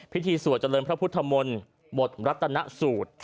พิธีสวดเจริญพระพุทธมนตร์บทวัฒนสูตร